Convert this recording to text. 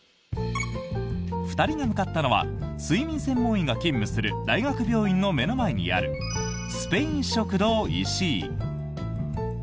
２人が向かったのは睡眠専門医が勤務する大学病院の目の前にあるスペイン食堂石井。